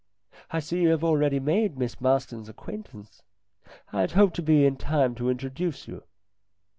" I see you have already made Miss Marston's acquaintance. I had hoped to be in time to introduce you."